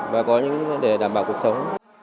và có những để đảm bảo cuộc sống